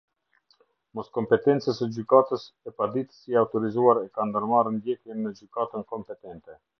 Moskomptencës së gjykatës, e paditësi i autorizuar e ka ndërmarrë ndjekjen në gjykatën kompetente.